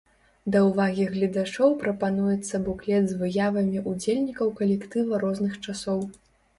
Да ўвагі гледачоў прапануецца буклет з выявамі ўдзельнікаў калектыва розных часоў.